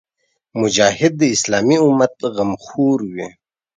مجاهد د اسلامي امت غمخور وي.